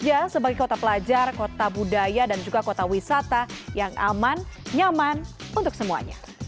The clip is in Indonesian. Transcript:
indonesia sebagai kota pelajar kota budaya dan juga kota wisata yang aman nyaman untuk semuanya